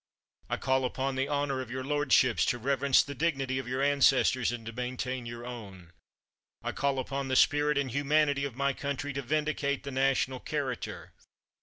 I call upon the honor of your lordships, to reverence the dignity of your ancestors, and to maintain your own. I call upon the spirit and humanity of my country to vindicate the national character.